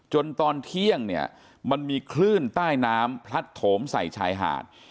ตอนเที่ยงเนี่ยมันมีคลื่นใต้น้ำพลัดโถมใส่ชายหาด